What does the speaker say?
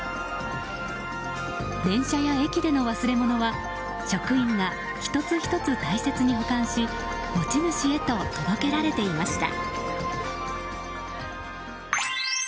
電車や駅での忘れ物は職員が１つ１つ大切に保管し、持ち主へと届けられていました。